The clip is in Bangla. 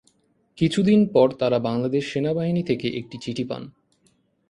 কিছুদিন পর তারা বাংলাদেশ সেনাবাহিনী থেকে একটা চিঠি পান।